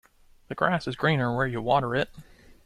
The grass is greener where you water it.